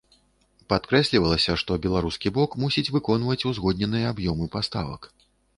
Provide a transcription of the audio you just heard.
Падкрэслівалася, што беларускі бок мусіць выконваць узгодненыя аб'ёмы паставак.